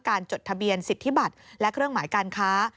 จดทะเบียนสิทธิบัตรและเครื่องหมายการค้า